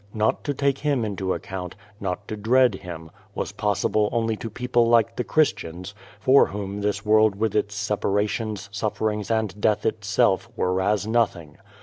Not to take him into account, not to dread him, was possible only to people like the Christians, for whom this world with its sei)arations, suf ferings, and death itself, were as nothing.